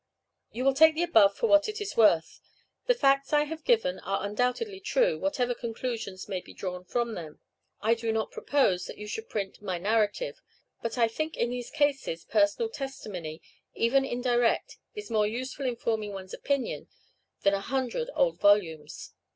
"You will take the above for what it is worth; the facts I have given are undoubtedly true, whatever conclusions may be drawn from them. I do not propose that you should print my narrative, but I think in these cases personal testimony, even indirect, is more useful in forming one's opinion than a hundred old volumes.